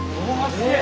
すげえ！